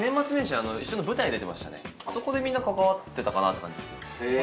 そこでみんな関わってたかなって感じですね